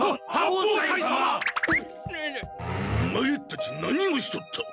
オマエたち何をしとった？